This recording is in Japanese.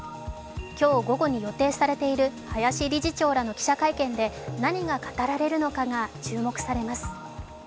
今日午後に予定されている林理事長らの記者会見で何が語られるのかが注目されます。